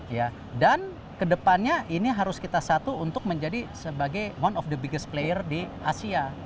ya dan kedepannya ini harus kita satu untuk menjadi sebagai one of the biggest player di asia